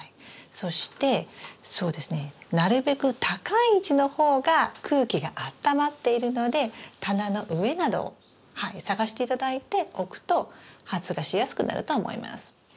そしてそうですねなるべく高い位置の方が空気があったまっているので棚の上などを探して頂いて置くと発芽しやすくなると思います。